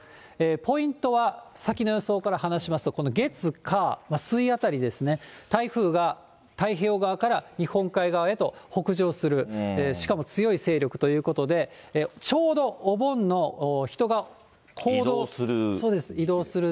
ポイントは、先の予想から話しますと、この月、火、水あたりですね、台風が太平洋側から日本海側へと北上する、しかも強い勢力ということで、ちょうどお盆の、移動する。